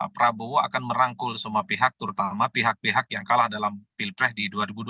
prabowo akan merangkul semua pihak terutama pihak pihak yang kalah dalam pilpres di dua ribu dua puluh